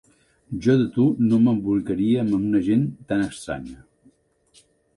Jo de tu no m'embolicaria amb una gent tan estranya!